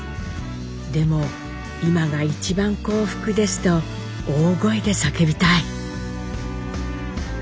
でも今が一番幸福ですと大声で叫びたい」。